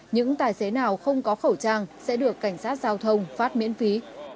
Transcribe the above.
những tài xế nào không có khẩu trang sẽ được cảnh sát giao thông phát miễn phí